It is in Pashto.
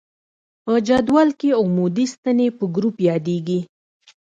په جدول کې عمودي ستنې په ګروپ یادیږي.